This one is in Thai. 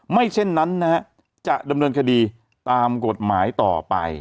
เช่นนั้นนะฮะจะดำเนินคดีตามกฎหมายต่อไป